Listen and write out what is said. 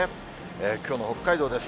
きょうの北海道です。